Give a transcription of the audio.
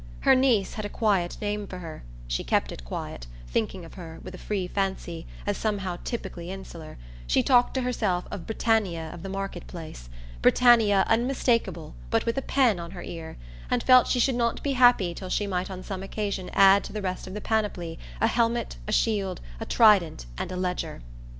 Her niece had a quiet name for her she kept it quiet: thinking of her, with a free fancy, as somehow typically insular, she talked to herself of Britannia of the Market Place Britannia unmistakeable but with a pen on her ear and felt she should not be happy till she might on some occasion add to the rest of the panoply a helmet, a shield, a trident and a ledger.